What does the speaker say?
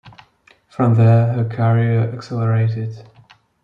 From there, her career accelerated.